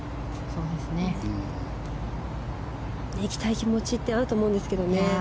いきたい気持ちってあると思うんですけどね。